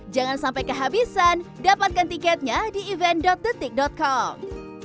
jangan sampai kehabisan dapatkan tiketnya di event detik com